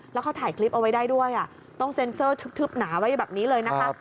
แล้วเขาถ่ายคลิปเอาไว้ได้ด้วยต้องเซ็นเซอร์ทึบหนาไว้แบบนี้เลยนะคะ